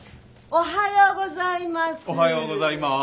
おはようございます。